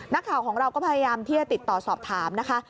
นักข่าวของเราก็พยายามที่จะติดต่อสอบถามนะคะ